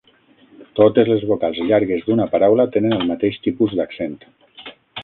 Totes les vocals llargues d'una paraula tenen el mateix tipus d'accent.